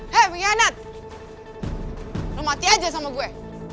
hei pengkhianat lo mati aja sama gue